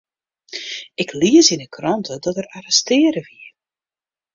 Ik lies yn 'e krante dat er arrestearre wie.